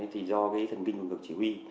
thì do thần kinh quạt ngược chỉ huy